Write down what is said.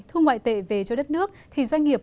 thu ngoại tệ về cho đất nước thì doanh nghiệp